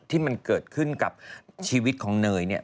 ที่มันเกิดขึ้นกับชีวิตของเนยเนี่ย